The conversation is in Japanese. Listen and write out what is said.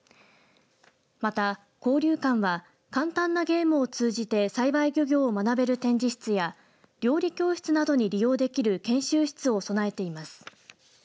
また、交流館は簡単なゲームを通じて栽培漁業を学べる展示室や料理教室などに利用できる研修室を備えています。